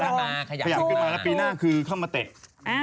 ถ้าอยากขึ้นไปแล้วปีหน้าคือเข้ามาเตะ